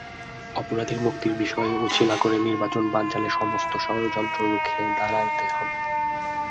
অপরাধীর মুক্তির বিষয় অছিলা করে নির্বাচন বানচালের সব ষড়যন্ত্র রুখে দাঁড়াতে হবে।